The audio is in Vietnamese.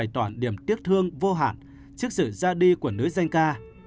tìm tiếc thương vô hạn trước sự ra đi của nữ danh ca